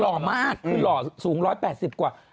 หล่อมากคือหล่อสูง๑๘๐กว่า